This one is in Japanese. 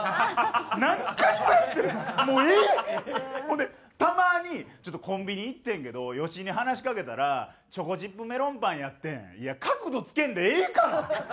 ほんでたまに「ちょっとコンビニ行ってんけど好井に話しかけたらチョコチップメロンパンやってん」いや角度つけんでええから。